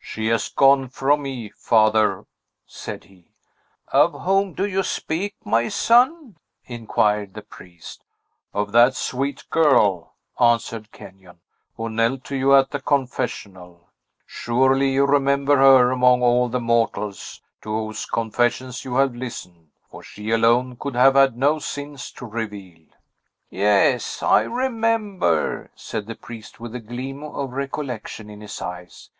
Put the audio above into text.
"She has gone from me, father," said he. "Of whom do you speak, my son?" inquired the priest. "Of that sweet girl," answered Kenyon, "who knelt to you at the confessional. Surely you remember her, among all the mortals to whose confessions you have listened! For she alone could have had no sins to reveal." "Yes; I remember," said the priest, with a gleam of recollection in his eyes.